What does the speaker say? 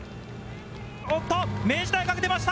おっと、明治大学出ました。